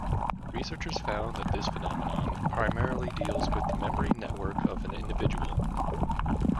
Researchers found that this phenomenon primarily deals with the memory network of an individual.